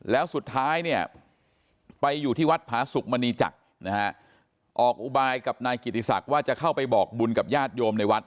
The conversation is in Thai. แล้วสุดท้ายเนี่ยไปอยู่ที่วัดผาสุกมณีจักรนะฮะออกอุบายกับนายกิติศักดิ์ว่าจะเข้าไปบอกบุญกับญาติโยมในวัด